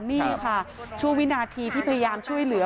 นี่ค่ะช่วงวินาทีที่พยายามช่วยเหลือ